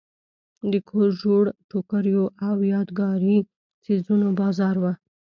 د کور جوړو ټوکریو او یادګاري څیزونو بازار و.